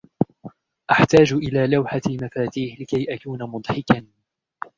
أحتاج إلى لوحة مفاتيح لكي أكون مضحكاً.